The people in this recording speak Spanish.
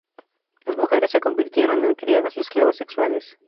Las mujeres se convirtieron en criadas o esclavas sexuales.